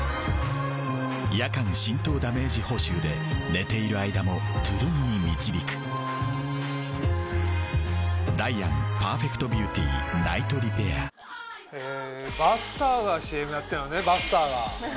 夜間浸透ダメージ補修で寝ている間もトゥルンに導くダイアンパーフェクトビューティーナイトリペアばっさーがＣＭやってんのねばっさーが。